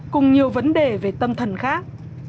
cùng nhiều vấn đề về tâm thần khác